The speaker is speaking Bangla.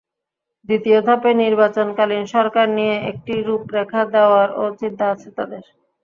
দ্বিতীয় ধাপে নির্বাচনকালীন সরকার নিয়ে একটি রূপরেখা দেওয়ারও চিন্তা আছে তাঁদের।